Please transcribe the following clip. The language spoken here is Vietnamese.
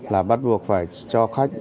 là bắt buộc phải cho khách